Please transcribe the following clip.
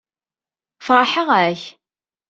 Feṛḥeɣ-ak.